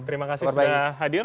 terima kasih sudah hadir